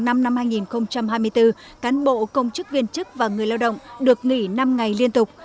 năm hai nghìn hai mươi bốn cán bộ công chức viên chức và người lao động được nghỉ năm ngày liên tục